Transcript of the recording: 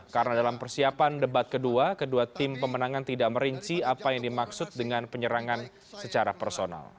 karena dalam persiapan debat kedua kedua tim pemenangan tidak merinci apa yang dimaksud dengan penyerangan secara personal